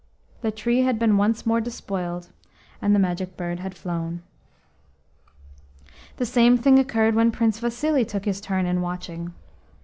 The tree had been once more despoiled, and the Magic Bird had flown. HE same thing occurred when Prince Vasili took his turn in watching.